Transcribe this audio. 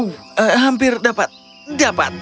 hampir dapat dapat